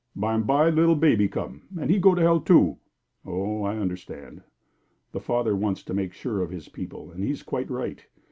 Bime'by little baby come, and he go to hell, too." "Oh, I understand! The Father wants to make sure of his people, and he is quite right.